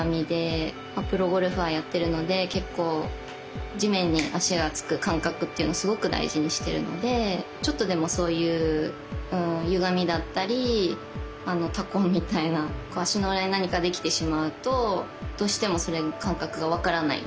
プロゴルファーやってるので結構地面に足がつく感覚っていうのをすごく大事にしてるのでちょっとでもそういうゆがみだったりタコみたいな足の裏に何かできてしまうとどうしても感覚が分からない。